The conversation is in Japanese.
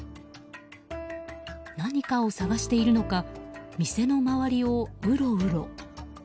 何かを探しているのか店の周りをうろうろ。